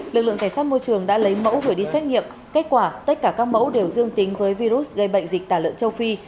lực lượng cảnh sát môi trường đã lấy mẫu gửi đi xét nghiệm kết quả tất cả các mẫu đều dương tính với virus gây bệnh dịch tả lợn châu phi